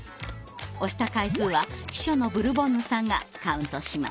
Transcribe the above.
押した回数は秘書のブルボンヌさんがカウントします。